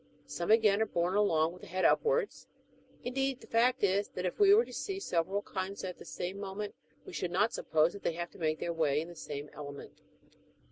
Some, again, are borne along with the head upwards ; indeed the fact is, that if we were to see several kinds at the same moment, we should not suppose that they have to make their way in the same element.